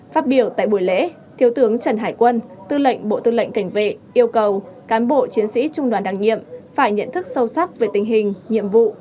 phát biểu tại buổi lễ thiếu tướng trần hải quân tư lệnh bộ tư lệnh cảnh vệ yêu cầu cán bộ chiến sĩ trung đoàn đặc nhiệm phải nhận thức sâu sắc về tình hình nhiệm vụ